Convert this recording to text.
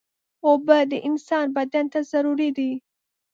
اوبه د انسان بدن ته ضروري دي.